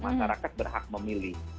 masyarakat berhak memilih